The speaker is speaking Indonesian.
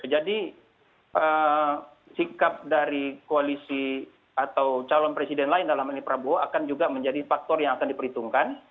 jadi sikap dari koalisi atau calon presiden lain dalam hal ini prabowo akan juga menjadi faktor yang akan diperhitungkan